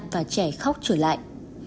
và trẻ khóc trở lại